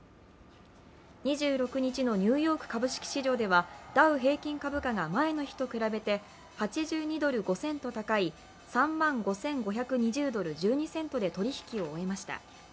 ２６日のニューヨーク株式市場ではダウ平均株価が前の日と比べて８２ドル５セント高い３万５５２０ドル１２セントで取り引きを終えました。